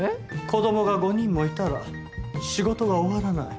子どもが５人もいたら仕事が終わらない。